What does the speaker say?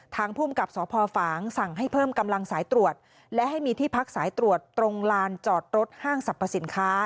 ภูมิกับสพฝางสั่งให้เพิ่มกำลังสายตรวจและให้มีที่พักสายตรวจตรงลานจอดรถห้างสรรพสินค้า